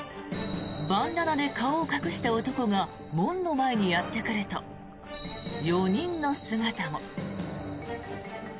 バンダナで顔を隠した男が門の前にやってくると４人の姿も。